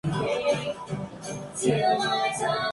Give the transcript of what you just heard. En su cima, se encuentra las ruinas de un castillo.